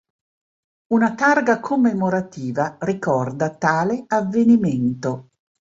Una targa commemorativa ricorda tale avvenimento.